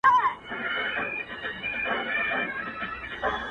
منصور میدان ته بیایي غرغړې دي چي راځي!.